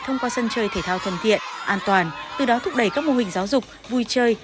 thông qua sân chơi thể thao thân thiện an toàn từ đó thúc đẩy các mô hình giáo dục vui chơi